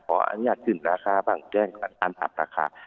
ขออนุญาโทษขึ้นราคาบังกลางกันอันดับราคา